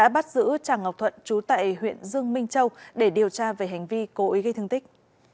bắt giữ tràng ngọc thuận trú tại huyện dương minh châu để điều tra về hành vi cố ý gây thương tích